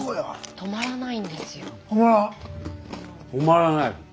止まらない。